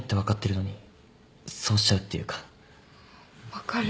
分かる。